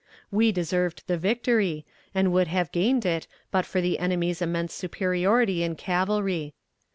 We deserved the victory, and would have gained it but for the enemy's immense superiority in cavalry.